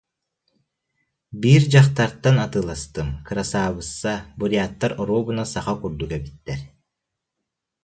Биир дьахтартан атыыластым, кырасаабысса, буряттар оруобуна саха курдук эбиттэр